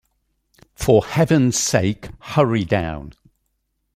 For heaven’s sake, hurry down!